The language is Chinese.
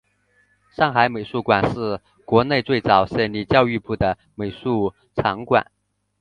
上海美术馆是国内最早设立教育部的美术场馆。